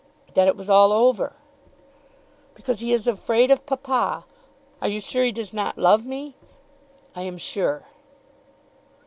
"That it was all over." "Because he is afraid of papa. Are you sure he does not love me?" "I am sure."